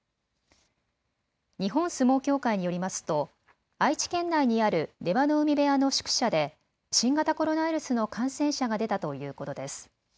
日本相撲協会によりますと愛知県内にある出羽海部屋の宿舎で新型コロナウイルスの感染者が出たということです。